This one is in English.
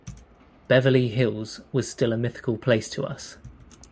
Beverly Hills was still a mythical place to us.